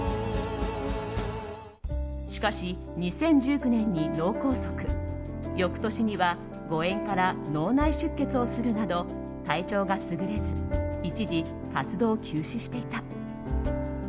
しかし、２０１９年に脳梗塞翌年には誤嚥から脳内出血をするなど体調が優れず一時、活動休止していた。